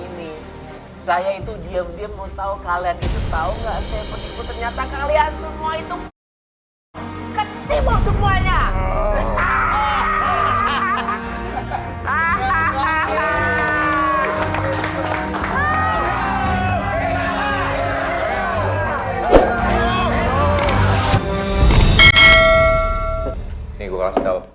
nih gue kasih tau